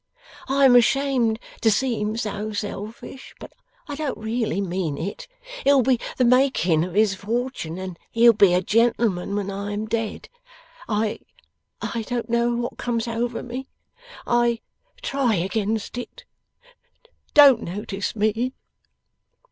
I am ashamed to seem so selfish, but I don't really mean it. It'll be the making of his fortune, and he'll be a gentleman when I am dead. I I don't know what comes over me. I try against it. Don't notice me!